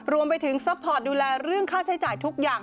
รวมไปถึงซัพพอร์ตดูแลเรื่องค่าใช้จ่ายทุกอย่าง